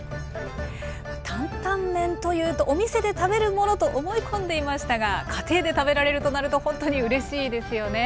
担々麺というとお店で食べるものと思い込んでいましたが家庭で食べられるとなるとほんとにうれしいですよね。